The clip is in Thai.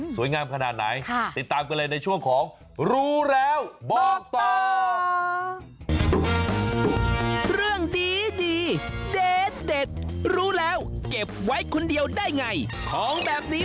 สวยงามขนาดไหนติดตามกันเลยในช่วงของ